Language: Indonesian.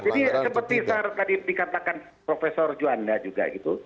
jadi seperti tadi dikatakan profesor juanda juga gitu